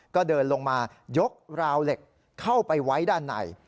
ก็เดินลงมายกราวเหล็กเข้าไปไว้ด้านใน